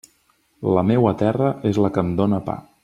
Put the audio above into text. La meua terra és la que em dóna pa.